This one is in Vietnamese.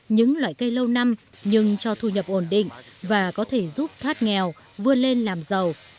những loại cây lâu năm nhưng cho thu nhập ổn định và có thể giúp thoát nghèo vươn lên làm giàu